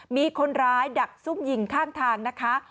มีคนร้ายดักซุ่มยิงข้างทางนะคะ